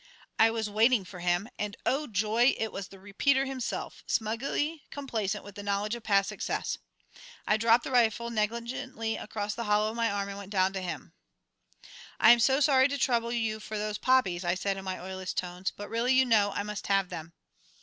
I was waiting for him And, oh joy! it was the "Repeater" himself, smugly complacent with knowledge of past success. I dropped the rifle negligently across the hollow of my arm and went down to him. "I am sorry to trouble you for those poppies," I said in my oiliest tones; "but really, you know, I must have them."